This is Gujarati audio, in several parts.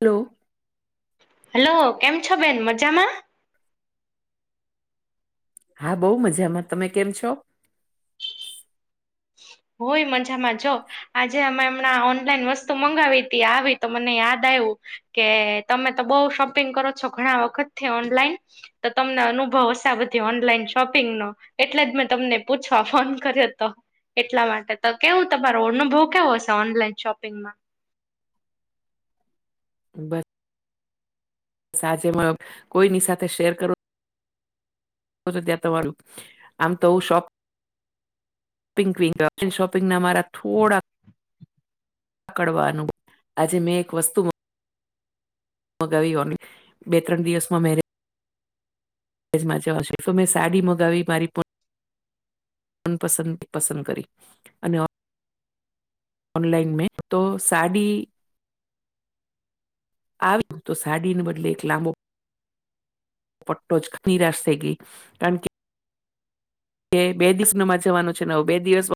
હલો. હલો કેમ છો બેન મજામાં. હા બહુ મજામાં તમે કેમ છો. હોય મજામાં જો. આજે અમે એમણા ઓનલાઈન વસ્તુ મંગાવી હતી આવી તો મને યાદ આવ્યું. કે તમે તો બઉ શોપિંગ કરો છો ઘણા વખત થી ઓનલાઈન. તો તમને અનુભવ હશે બધી ઓનલાઈન શોપિંગ નો. એટલે જ મેં તમને પૂછવા ફોન કર્યો હતો. એટલા માટે તો કેવું તમારો અનુભવ કેવો હશે ઓનલાઈન શોપિંગમાં. સાજે મા કોઈની સાથે શેર કરું. ત્યાં તમારું આમરુ આમ તો શોખ. [unintelligible] શોપિંગ ના અમારા થોડા. કડવા અનુભવ આજે મેં એક વસ્તુ. મગાવી હો બે ત્રણ દિવસમાં મે. એમાં શેફ મે સાડી મગાવી મારી. મનપસંદ પસંદ કરી અને. ઓનલાઈન મે તો સાડી. આવી તો સાડીને બદલે એક લાંબો. ફોટોજ નિરાશ થય ગયે કારણ કે. એ બે દિવસ નમાં જવાનું છે બે દિવસ.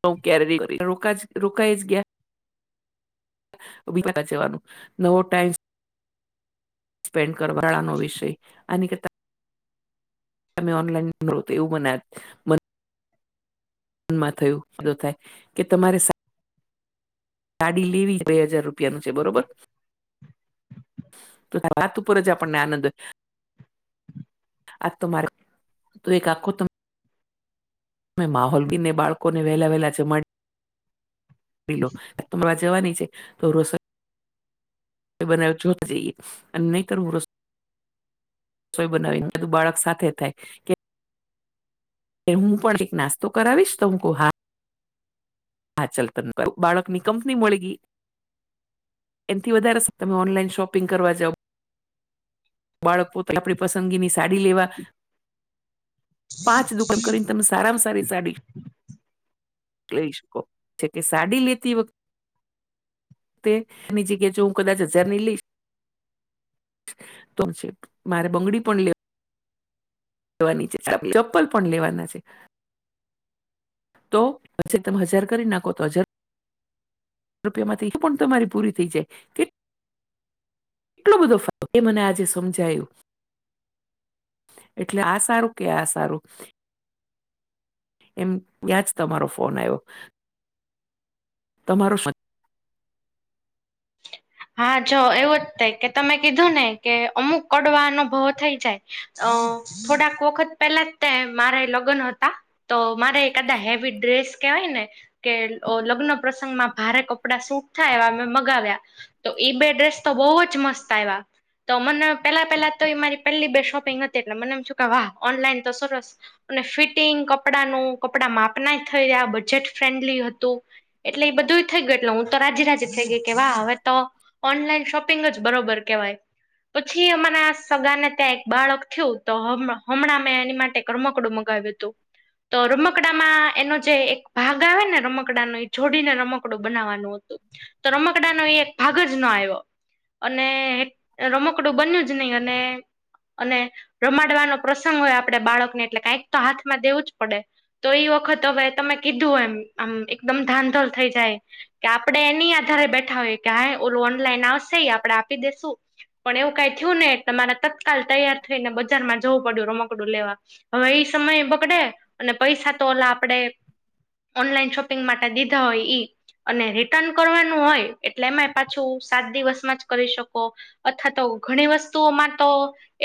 સ ક્યારે રોકા રોકાઈ જ ગયા. જવાનું નવો ટાઈમ. સ્પેન્ડ કરવાવાનો વિષય. ઓનલાઈન [unintelligible] માં થયું બધો થાય કે તમારે. સાડી લેવી બે હજાર રૂપિયાનું છે બરોબર. તો રાત ઉપર જ આપણને આનંદ હોય. આ તમારે તું એક આખો ત. અ માહોલ બીને બાળકો ને વહેલા વહેલા જમાડી [unintelligible] જવાની છે. [unintelligible] સોય બનાવીને બધું બાળક સાથે થાય. એ હું પણ એક નાસ્તો કરાવીશ તો કે હા હા ચાલ ત ન બાળક નની કંપની મળી. એમથી વધારે તમે ઓનલાઈન શોપિંગ કરવા જાવ. બાળક પોતા આપણી પસંદગીની સાડી લેવા. પાંચ દુકાન કરીને તમે સારામાં સારી સાડી. લઈ શકો જે કે સાડી લેતી વખતે. તે એની જગ્યા જો હું કદાચ હજારની લઈશ. [inaudible] મારે બંગડી પણ લેવ લેવાની છે ચપ્પલ પણ લેવાના છે. તો પછી તમે હજાર કરી નાખો તો હજાર. રૂપિયા માં એ પણ તમારી પૂરી થઈ જાય કે. કેટલો બધો ફાયદો એ મને આજે સમજાયું. એટલે આ સારું કે આ સારું. એમ ત્યાં જ તમારો ફોન આવ્યો. તમારો. [inaudible] હા જો એવું જ થાય કે તમે કીધું ને કે અમુક કડવા અનુભવો થઈ જાય અ. થોડાક વખત પેલા જ તે મારે લગ્ન હતા. તો મારે એક કાદા હેવી ડ્રેસ કેહેવાય ને. કે લગ્ન પ્રસંગમાં ભારે કપડાં સૂટ થાય એ મ ગાવ્યા તો એઈ બે ડ્રેસ તો બહુ જ મસ્ત આવ્યા તો મને પેલા પેલા તો મારી પેલી બે શોપિંગ હતી એટલે મને એમ કે વાહ ઓનલાઈન તો સરસ. અને ફિટિંગ કપડાનું કપડા માપના જ થઈ રહ્યા બજેટ ફ્રેન્ડલી હતું. એટલે એ બધુંય થ ગયું એટલે હું તો રાજ થઈ ગઈ. કેવા હવે તો ઓનલાઈન શોપિંગ જ બરોબર કેવાય. પછી અમારા સગાને ત્યાં એક બાળક થયું તો હમણાં મેં એની માટે. રમકડું મગાવ્યો હતૂ તો રમકડામાં એનો જે એક ભાગ આવે ને રમકડા ન એ જોડીને રમકડું બનાવવાનું હોય તો રમકડા નો એ એક ભાગ જ ન આવ્યો. અને રમકડું બન્યું જ નહી અને. અને રમાડવાનો પ્રસંગ હોય આપણેે બાળકને એટલે કઈક તો હાથમાં દવું જ પડે. તો એ વખત હવે તમે કીધું એમ આમ એકદમ ધાધલ થઈ જાય. કે આપડણે એની આધારે બેઠા હોયએ કે હા ઓલું ઓનલાઈન આવશે આપડે આપી દેસું પણ એવું કઈ થયું ને તમારે તત્કાલ તૈયાર થઈ ને બજારમાં જવું પડ્યું રમકડું લેવા હવે એઈ સમય બગડે અને પૈસા તો ઓલા આપડે ઓનલાઈન શોપિંગ માટે દીધા હોય ઈ અને રિટર્ન કરવાનું હોય એટલે એમાં પાછું સાત દિવસમાં જ કરી શકો અથવા તો ઘણી વસ્તુઓમાં તો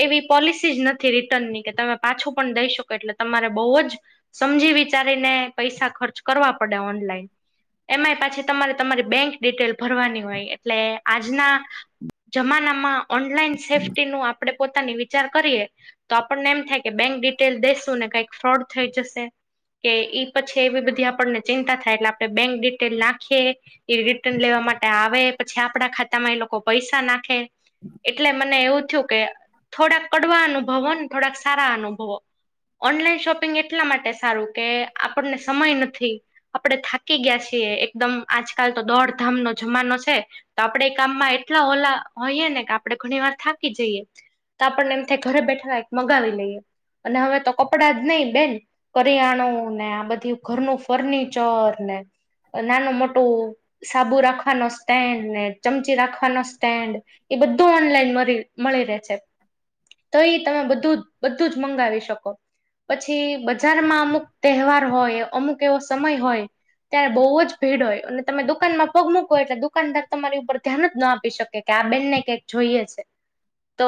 એવી પોલિસી જ નથી રિટર્ન ની કે તમે પાછું પણ દઈ શકો એટલે તમારે બહુ જ સમજી વિચારીને પૈસા ખર્ચ કરવા પડે ઓનલાઈન એમઈ પાછી તમારે તમારી બેંક ડિટેલ ભરવાની હોય એટલે આજના જમાનામાં ઓનલાઈન સેફ્ટી નું આપણેે પોતાની વિચાર કરીએ તો આપણને એમ થાય કે બેંક ડિટેલ દેસું ને કઈક ફ્રોડ થઈ જશે કે ઈ પછી એવી બધી આપણને ચિંતા થાય એટલે આપણે બેંક ડિટેલ નાખીએ એ ન લેવા માટે આવે પછી આપડા ખાતામાં એ લોકો પૈસા નાખે એટલે મને એવું થયું કે થોડાક કડવા અનુભવો ને થોડાક સારા અનુભવો ઓનલાઈન શોપિંગ એટલા માટે સારું કે આપણને સમય નથી આપડે થાકી ગયા છીએ એકદમ આજકાલ તો દોડધામ નો જમાનો છે તો આપણેે એ કામમાં એટલા હોલા હોઈએ ને કે આપડણે ઘણી વાર થાકી જઈએ તો આપણને એમથી ઘરે બેઠાલા એક મગાવી લઈએ અને હવે તો કપડાં જ નહી બેન કરિયાણું ને આ બધું ઘરનું ફર્નિચર ને નાનું મોટું સાબુ રાખવાનો સ્ટેન્ડ ને ચમચી રાખવાનો સ્ટેન્ડ એ બધું ઓનલાઈન મળી રહે છે તો એ તમે બધું બધું જ મંગાવી શકો પછી બજારમાં અમુક તહેવાર હોય અમુક એવો સમય હોય ત્યારે બહુ જ ભીડ હોય અને તમે દુઃખ દુકાનમાં પગ મૂકવો એટલે દુકાનદાર તમારી ઉપર ધ્યાન જ ના આપી શકે કે આ બે ને કંક જોઈએ છે. તો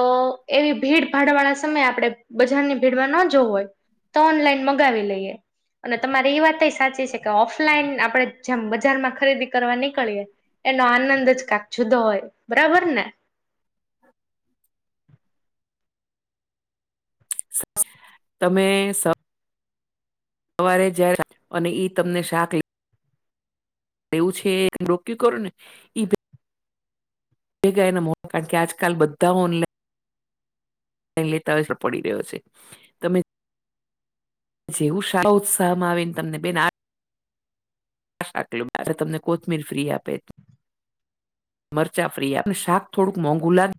એવી ભીડ ભાડવાના સમય આપણે બજારની ભીડમાં ન જોવું હોય. તો ઓનલાઈન મગાવી લઈએ અને તમારી એ વાત સાચી છે કે ઓફલાઈન આપડે જેમ બજારમાં ખરીદી કરવા નીકળીએ એનો આનંદ જ કાક જુદો હોય બરાબર ને તમે સ સવારે જાય અને ઈ તમને શાક લ એવું છે એ રોક્યું કરો ને ઈ ગયા કારણ કે આજકાલ બધા ઓનલાઈન લેતા હોય છે પડી રહ્યો છે. તમે જેવું સારા ઉત્સાહમાં આવીને તમને બેન. આટલું બ તમને કોથમીર ફ્રી આપે. મરચા ફ્રી અને શાક થોડુંક મોંઘુ લાગે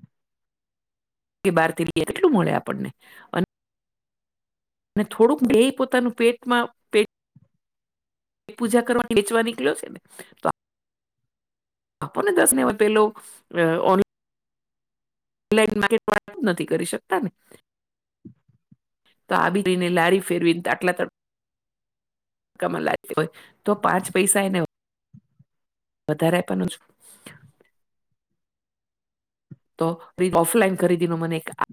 કે બાર લઇ કેટલું મળે આપણને અને થોડુંક દેય પોતાનું પેટમાં પેટ પૂજા કરવા વેચવા નીકળ્યો છે ને તો? આપોને દસને પેલો ઓ ટ વાળા જ નથી કરી શકતા ને? તો આવી રીતે લારી ફેરવી ને તો આટલા તો માં લાગતી હોય તો પાંચ પૈસા એને વધારે આપવાનું તો ઓફલાઈન ખરીદી ન મને એક આખો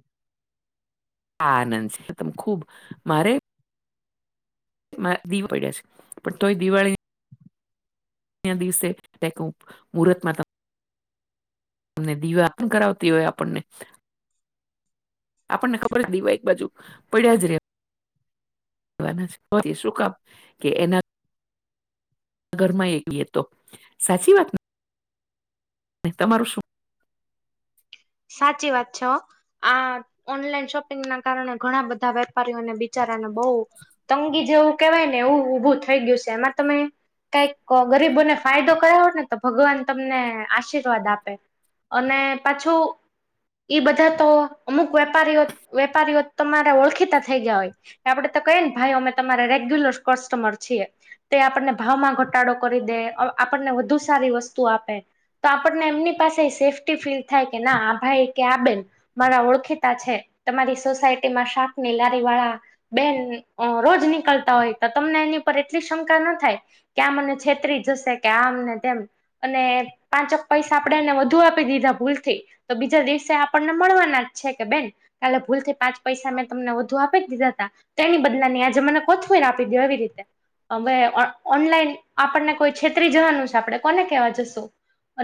આ આનંદ છે તમ ખુબ મારે દીવા પડ્યા છે પણ તોય દિવાળી દિવસે મુૂહર્ત માં તમ દીવા પણ કરાવતી હોય. આપણને આપણને ખબર છે દીવા એક બાજુ પડ્યા જ રે શું કામ કે એના ઘર માં એકવી તો સાચી વાતને, તમારું શું.? સાચી વાત છે. આ ઓનલાઈન શોપિંગ ના કારણે ઘણા બધા વેપારીઓને બચારાને બહ તંગી જેવું કેવાય ને એવું ઊભું થઈ ગયું છે. એમાં તમે કઈક ગરીબોને ફાયદો કરાયો ને તો ભગવાન તમને આશીર્વાદ આપે. અને પાછું? એ બધા તો અમુક વેપારીઓ વેપારીઓ તમારે ઓળખીતા થઈ ગયા હોય. આપડે તો કઈએ ને ભાઈ અમે તમારા રેગ્યુલર કસ્ટમર છીએ. તે આપણને ભાવમાં ઘટાડો કરી દે આપણને વધુ સારી વસ્તુ આપે. તો આપણને એમની પાસે સેફ્ટી ફીલ થાય કે ના ભાઈ કે આ બેેન મારા ઓળખીતા છે. તમારી સોસાયટી માં શાકની લારી વાળા બેન રોજ નીકળતા હોય તો તમને એની પર એટલી શંકા ન થાય. કે આ મને છેતરી જશે, કે આમને તેમ અને પાંચક પૈસા આપણેે એને વધુ આપી દીધા ભૂલથી તો બીજા દિવસે આપણને મળવાના જ છે કે બેન કાલે ભૂલથી પાંચ પૈસા મેં તમને વધુ આપી જ દીધા હતા? તે એની બદલાને આજે મને કોથમીર મને આપી દો એવી રીતે હવે ઓનલાઈન આપણને કોઈ છેતરી જવાનું છે આપણે કોને કેવા જશું?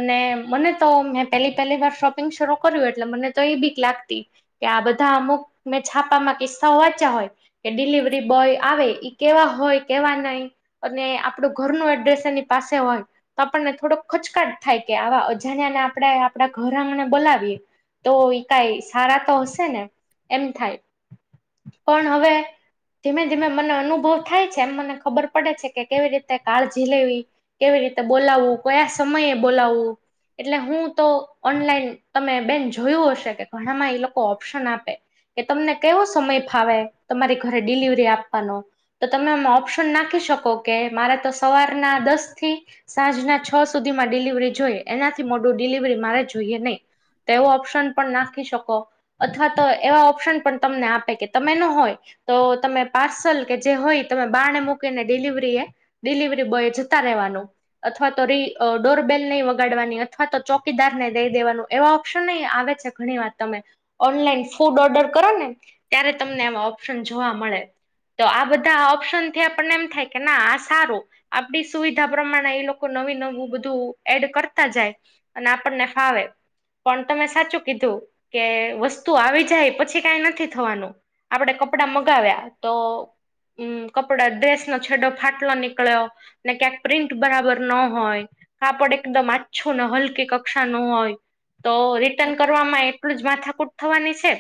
અને મને તો મેં પેલી પહેલી વાર શોપિંગ શરૂ કર્યું એટલે મને તો એ બીક લાગતી કે આ બધા અમુક મેં છાપામાં કિસ્સાઓ વાંચ્યા હોય-, કે ડિલિવરી બોય આવે ઈ કેવા હોય કેવા નહી. અને આપણું ઘરનું એડ્રેસ એની પાસે હોય. તો આપણને થોડોક ખચકાટ થાય કે આવા અજાણ્યા ને આપણે આપણા ઘરઆંગણે બોલાવીએ તો કઈ સારા તો હશે ને એમ થાય પણ હવે ધીમે ધીમે મને અનુભવ થાય છે એમ મને ખબર પડે છે કે કેવી રીતે કાળજી લેવી કેવી રીતે બોલાવવું કયા સમયે બોલાવવું એટલે હું તો ઓનલાઈન તમે બેન જોયું હશે કે ઘણામાં એ લોકો ઓપ્શન આપે? કે તમને કેવો સમય ફાવે તમારી ઘરે ડિલિવરી આપવાનો? તો તમે આમે ઓપ્શન નાખી શકો કે મારે તો સવારના દસ થી સાંજ ના છ સુધીમાં ડિલિવરી જોઈએ એનાથી મોડું ડિલિવરી મારે જોઈએ નહી. તેવો ઓપ્શન પણ નાખી શકો અથવા તો એવા ઓપ્શન પણ તમને આપે કે તમે ન હોય તો તમે પાર્સલ કે જે હોય તમે બાણે મૂકીને ડિલિવરી એ ડિલિવરી બોય જતા રહેવાનું અથવા તો રી ડોરબેલ નહી વગાડવાની અથવા તો ચોકીદાર ને દઈ દેવાનું એવા ઓપ્શન ને આવે છે ઘણી વાર તમે ઓનલાઈન ફૂડ ઓર્ડર કરો ને ત્યારે તમને એવા ઓપ્શન જોવા મળે. તો આ બધા ઓપ્શન થી આપણને એમ થાય કે ના આ સારું આપડી સુવિધા પ્રમાણે એ લોકો નવીું નવું બધું એડ કરતા જાય અને આપણને ફાવે પણ તમે સાચું કીધું કે વસ્તુ આવી જાય પછી કઈ નથી થવાનું આપડે કપડા મગાવ્યા તો હમ્મ કપડા ડ્રેસ ન છેડો ફાટવા નીકળ્યો ને ક્યાંક પ્રિન્ટ બરાબર ન હોય કાપડ એકદમ આ્છો ને હલકી કક્ષા નો હોય તો રિટર્ન કરવામાં એટલું જ માથાકૂટ થવાની છે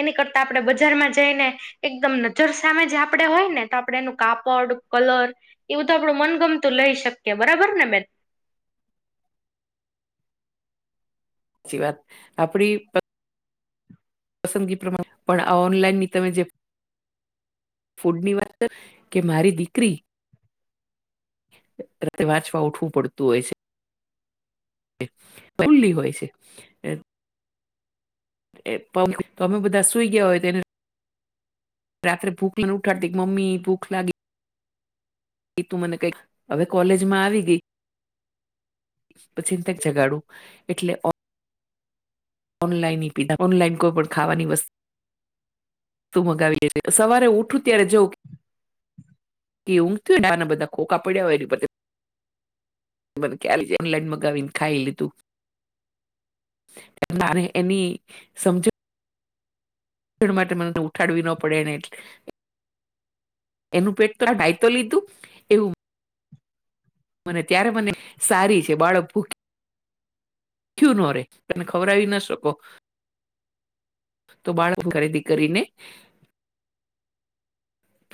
એની કરતા આપણેે બજારમાં જઈને એકદમ નજર સામે જ આપડણે હોય ને તો આપણે એનું કાપડ કલર. એવું તો આપડું મનગમતું લઈ શકીએ બરાબર ને બેન. સાચી વાત આપડી પસંદગી પ્રમાણે પણ આ ઓનલાઈન ની તમે જે. ફૂડ ની વાત કર કે મારી દીકરી. વાંચવા ઉઠવું પડતું હોય છે. ફૂલી હોય છે એ એ પણ તમે બધા સુઈ ગયા હોય તેને. રાત્રે ભૂખ લને ઉઠાડી મમ્મી ભૂખ લાગી એ તું મને કઈક હવે કોલેજમાં આવી ગઈ. પછી કે કેમ જગાડું એટલે. ઓનલાઈન પીધા ઓનલાઈન કોઈ પણ ખાવાની વસ્તુ. મગાવીડે છે સવારે ઉઠું ત્યારે જઉું. એ ઊંઘતી હોયને એના બધા ખોખા પડ્યા હો એની ફરતે મને કે ઓનલાઈન મગાવી ને ખાઈ લીધું. એની સમજણ માટે મને ઉઠાડવી ના પડે એને એટલે. એનું પેટ તો આ દાય લીધું એવું. મને ત્યારે મને સારી છે બાળક ભૂખ. ભૂકીયું ન રે તમે ખવરાાવી ના શકો. તો બાળક ખરીદી કરીને.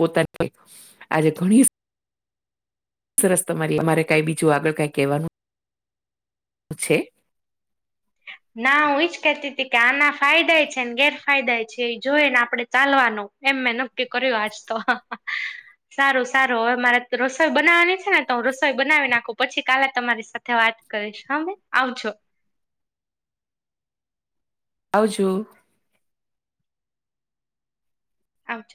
પોતાની આજે ઘણી. સરસ તમારી મારે કઈ બીજું આગ કંઈ કહેવાનું. છે. ના હું એજ કહેતી તી કે આના ફાયદા છે ને ગેરફાયદાય છે એ જોઈ ને આપડે ચાલવાનુ એમ મેં નક્કી કર્યું આજ તો. સારું સારું હવે મારે રસોઈ બનાવાની છે ને તો હું રસોઈ બનાવી નાખું પછી કાલે તમારી સાથે વાત કરીશ હવે આવજો. આવજો આવજો